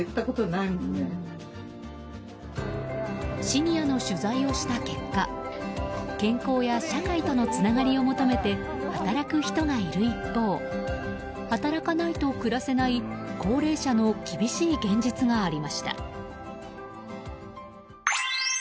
シニアの取材をした結果健康や社会とのつながりを求めて働く人がいる一方働かないと暮らせない高齢者の厳しい現実がありました。